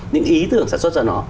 những ý tưởng sản xuất ra nó